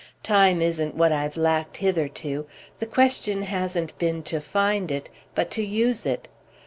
"Time isn't what I've lacked hitherto: the question hasn't been to find it, but to use it.